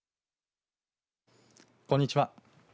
こんにちは。